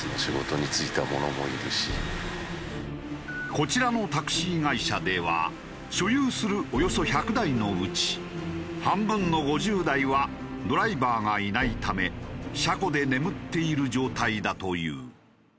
こちらのタクシー会社では所有するおよそ１００台のうち半分の５０台はドライバーがいないため車庫で眠っている状態だという。